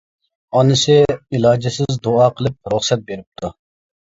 ئانىسى ئىلاجىسىز دۇئا قىلىپ رۇخسەت بېرىپتۇ.